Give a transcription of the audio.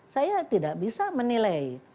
saya tidak bisa menilai